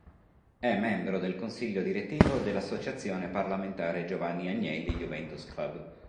È membro del consiglio direttivo dell'Associazione Parlamentare Giovanni Agnelli Juventus Club.